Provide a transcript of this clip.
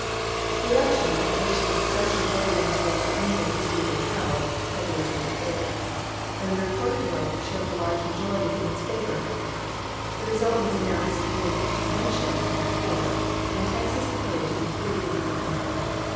i'., p. 521. The election at which the secession ordinance was submitted was duly held (February 23) and 186 ABKAHAM LINCOLN Chap. IX. the reported vote showed a large majority in its favor.^ The result was announced in convention 1861. (March 4) and Texas declared to be free and inde pendent.